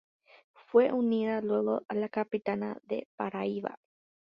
Fue unida luego a la capitanía de Paraíba.